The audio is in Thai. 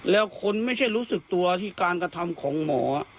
แล้วคนไม่ใช่รู้สึกตัวที่การกระทำของหมอ